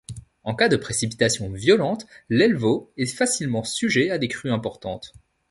En cas de précipitations violentes, l'Elvo est facilement sujet à des crues importantes.